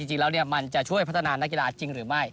จริงแล้วมันจะช่วยพัฒนานักกีฬาจริงหรือไม่